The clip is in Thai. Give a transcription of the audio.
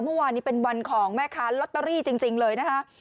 เมื่อวานนี้เป็นวันของแม่ค้าลอตเตอรี่จริงเลยนะคะ